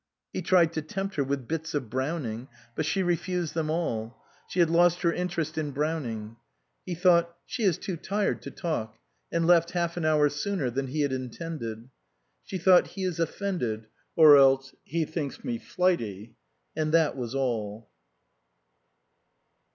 He tried to tempt her with bits of Browning, but she refused them all. She had lost her interest in Browning. He thought, " She is too tired to talk," and left half an hour sooner than he had intended. She thought, "He is offended. Or else he thinks me flighty." And that was all.